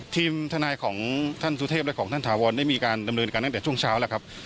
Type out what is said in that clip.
ทีมทนายของท่านสุเทพและของท่านถาวรได้มีการดำเนินการตั้งแต่ช่วงเช้าแล้วครับ